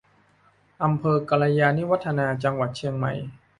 อำเภอกัลยาณิวัฒนา จังหวัดเชียงใหม่